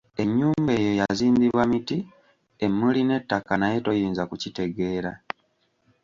Ennyumba eyo yazimbibwa miti, emmuli n'ettaka naye toyinza kukitegeera.